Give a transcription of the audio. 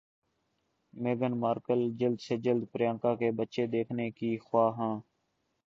میگھن Markle جلد سے جلد پریانکا کے بچے دیکھنے کی خواہاں